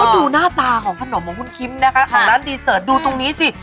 ดูหน้าตาของขนมของคุณคิมนะคะของร้านดีเสิร์ตดูตรงนี้สิ